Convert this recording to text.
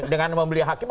dengan membeli hakim